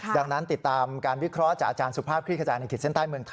ครับดังนั้นติดตามการวิเคราะห์จากอาจารย์สุภาพครีคจำน